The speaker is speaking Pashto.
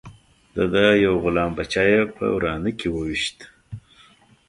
د ده یو غلام بچه یې په ورانه کې وويشت.